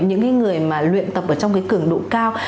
những người mà luyện tập ở trong cái cường độ cao